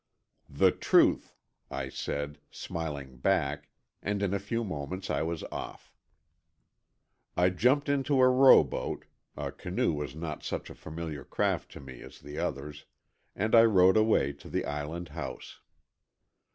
"The truth," I said, smiling back, and in a few moments I was off. I jumped into a rowboat, a canoe was not such a familiar craft to me as to the others, and I rowed away to the island house.